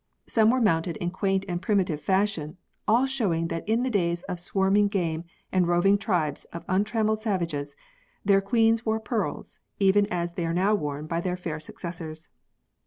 Some were mounted in quaint and primitive fashion, all showing that in the days of swarming game and roving tribes of untrammelled savages, their queens wore pearls even as they are now worn by their fair successors.